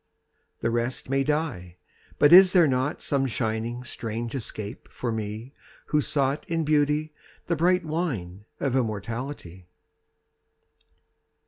The rest may die but is there not Some shining strange escape for me Who sought in Beauty the bright wine Of immortality?